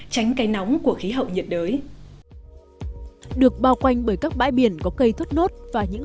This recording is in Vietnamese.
tránh cây nóng của khí hậu nhiệt đới được bao quanh bởi các bãi biển có cây thốt nốt và những